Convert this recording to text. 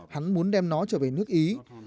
hắn muốn đem nó trở về nước ý